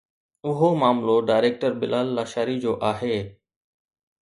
اهو معاملو ڊائريڪٽر بلال لاشاري جو آهي